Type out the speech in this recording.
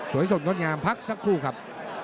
สดงดงามพักสักครู่ครับ